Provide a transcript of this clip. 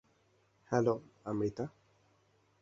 Hello, Amrita.